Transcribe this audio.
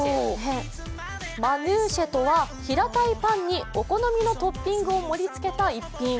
マヌーシェとは、平たいパンにお好みのトッピングを盛りつけた一品。